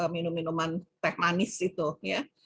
minum minuman teh manis itu ya